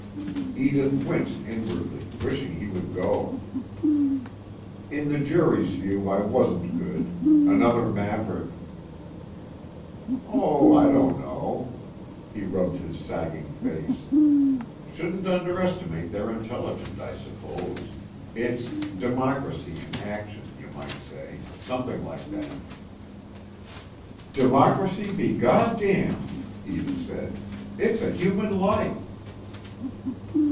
Edith winced inwardly, wishing he would go. "In the jury's view I wasn't good. Another maverick." "Oh, I don't know." He rubbed his sagging face. "Shouldn't underestimate their intelligence, I suppose. It's democracy in action, you might say something like that." "Democracy be God damned," Edith said. "It's a human life."